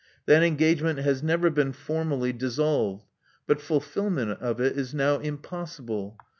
That engagement has never been formally dissolved; but fulfilment of it is now impossible.